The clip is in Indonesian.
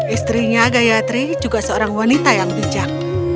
istrinya gayatri juga seorang wanita yang bijak